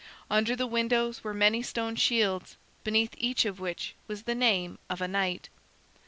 Under the windows were many stone shields, beneath each of which was the name of a knight.